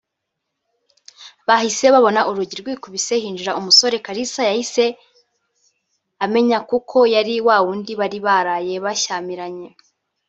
bahise babona urugi rwikubise hinjira umusore Kalisa yahise amenya kuko yari wa wundi bari baraye bashyamiranye